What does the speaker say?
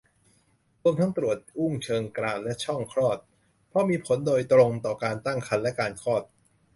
รวมทั้งตรวจอุ้งเชิงกรานและช่องคลอด เพราะมีผลโดยตรงต่อการตั้งครรภ์และการคลอด